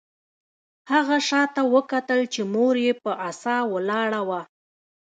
هغه شاته وکتل چې مور یې په عصا ولاړه وه